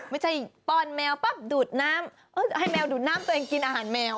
ป้อนแมวปั๊บดูดน้ำให้แมวดูดน้ำตัวเองกินอาหารแมว